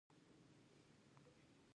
دوی کولی شول چې هم مهاله مالدار هم واوسي.